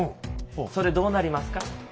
それどうなりますか？